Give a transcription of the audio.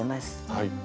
はい。